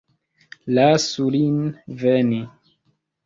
Lasu lin veni.